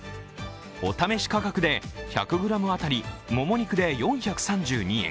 お試し価格で１００ｇ当たりもも肉で４３２円